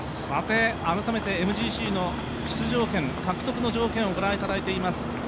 改めてＭＧＣの出場権獲得の条件をご覧いただいています。